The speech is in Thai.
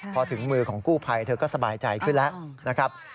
พอถึงมือของกู้ภัยเธอก็สบายใจขึ้นแล้วนะครับ